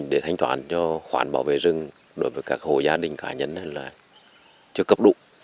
để thanh toán cho khoản bảo vệ rừng đối với các hồ gia đình cá nhân là chưa cấp đủ